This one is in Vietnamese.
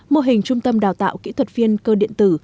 mô hình trung tâm đào tạo kỹ thuật viên cơ điện tử